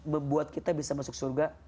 membuat kita bisa masuk surga